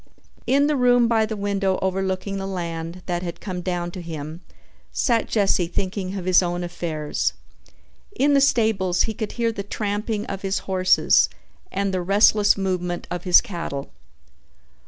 In the room by the window overlooking the land that had come down to him sat Jesse thinking of his own affairs. In the stables he could hear the tramping of his horses and the restless movement of his cattle.